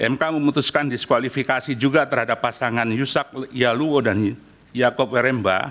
mk memutuskan diskualifikasi juga terhadap pasangan yusak yaluwo dan yaakob remba